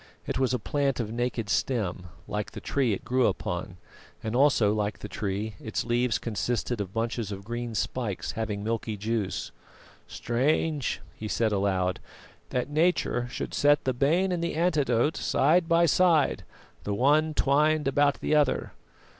It was a plant of naked stem, like the tree it grew upon; and, also like the tree, its leaves consisted of bunches of green spikes having a milky juice. "Strange," he said aloud, "that Nature should set the bane and the antidote side by side, the one twined about the other.